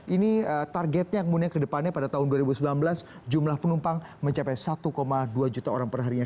ini targetnya kemudian ke depannya pada tahun dua ribu sembilan belas jumlah penumpang mencapai satu dua juta orang perharinya